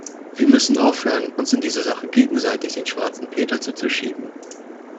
Wir müssen aufhören, uns in dieser Sache gegenseitig den Schwarzen Peter zuzuschieben.